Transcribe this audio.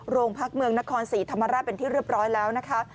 โรงพักเมืองนครศรีธรรมราชเป็นที่เรียบร้อยแล้วนะคะ